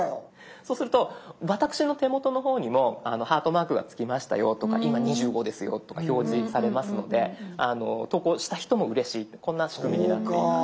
そうすると私の手元の方にもハートマークがつきましたよとか今２５ですよとか表示されますので投稿した人もうれしいこんな仕組みになっています。